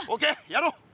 やろう！